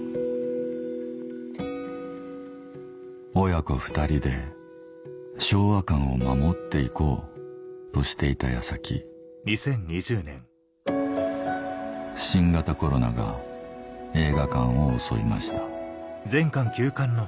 親子２人で昭和館を守って行こうとしていた矢先新型コロナが映画館を襲いました